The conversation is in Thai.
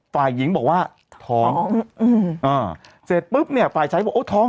ฝ่ายหญิงบอกว่าท้องอืมอ่าเสร็จปุ๊บเนี่ยฝ่ายชายบอกโอ้ท้อง